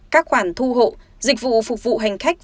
các khoản thu hộ dịch vụ phục vụ hành khách